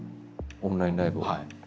オンラインライブを。